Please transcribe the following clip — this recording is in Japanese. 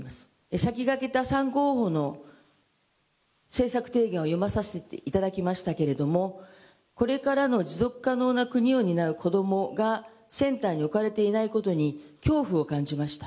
先駆けた３候補の政策提言を読まさせていただきましたけれども、これからの持続可能な国を担う子どもがセンターに置かれていないことに恐怖を感じました。